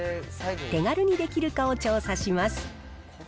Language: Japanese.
手軽にできるかを調査します。